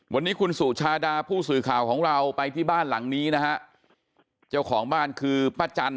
วันนี้คุณสุชาดาผู้สื่อข่าวของเราไปที่บ้านหลังนี้นะฮะเจ้าของบ้านคือป้าจัน